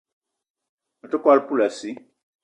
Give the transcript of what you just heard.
Me te kwal poulassi